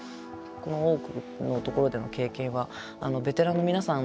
この「大奥」のところでの経験はベテランの皆さん